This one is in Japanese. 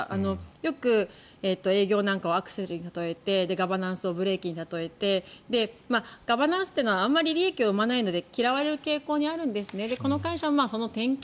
よく営業なんかはアクセルに例えてガバナンスをブレーキに例えてガバナンスは利益にならないので嫌われる傾向にあるんですね。